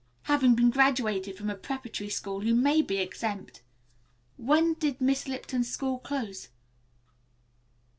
Having been graduated from a preparatory school you may be exempt. When did Miss Lipton's school close?"